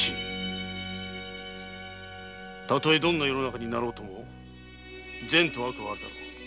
例えどんな世の中になろうとも善悪はある。